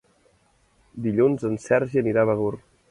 Dilluns en Sergi anirà a Begur.